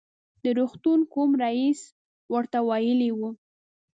د روغتون کوم رئیس ورته ویلي و.